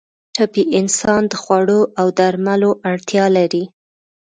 ټپي انسان د خوړو او درملو اړتیا لري.